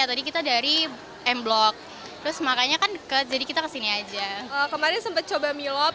tadi kita dari m blok terus makanya kan dekat jadi kita kesini aja kemarin sempat coba milop